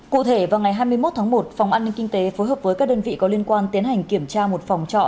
cụ thể vào ngày hai mươi một tháng một phòng an ninh kinh tế phối hợp với các đơn vị có liên quan tiến hành kiểm tra một phòng trọ